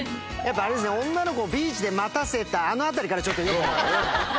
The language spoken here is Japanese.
女の子をビーチで待たせたあのあたりからよくなかった。